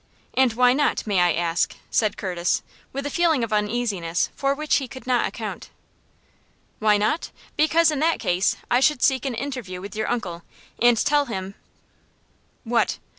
"And why not, may I ask?" said Curtis, with a feeling of uneasiness for which he could not account. "Why not? Because, in that case, I should seek an interview with your uncle, and tell him " "What?"